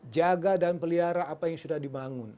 jaga dan pelihara apa yang sudah dibangun